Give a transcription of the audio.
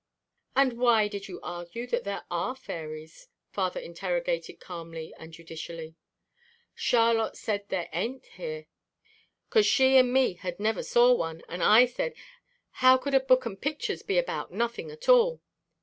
"And why did you argue that there are fairies?" father interrogated calmly and judicially. "Charlotte said they ain't here 'cause she and me had never saw one, and I said, 'How could a book and pictures be about nothing at all?'